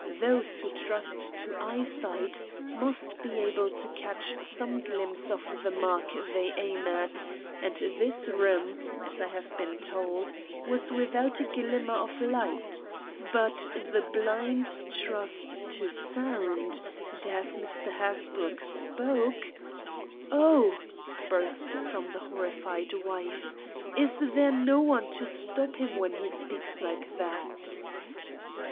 Those who trust to eyesight must be able to catch some glimpse of the mark they aim at, and this room, as I have been told, was without a glimmer of light. But the blind trust to sound, and as Mr. Hasbrouck spoke——" "Oh!" burst from the horrified wife, "is there no one to stop him when he speaks like that?" II.